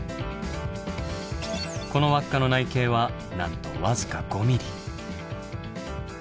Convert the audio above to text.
この輪っかの内径はなんと僅か５ｍｍ。